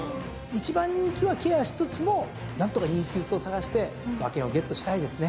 １番人気はケアしつつも何とか人気薄を探して馬券をゲットしたいですね。